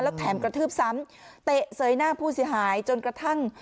แถมกระทืบซ้ำเตะเสยหน้าผู้เสียหายจนกระทั่ง